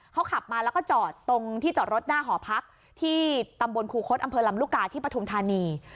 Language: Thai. เขาขับมาแล้วก็จอดตรงที่จอดรถหน้าหอพักที่ตำบลครูคดอำเภอลำลูกกาที่ปฐุมธานี